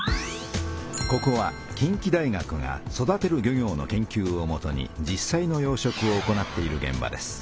ここは近畿大学が育てる漁業の研究をもとに実さいの養殖を行っているげん場です。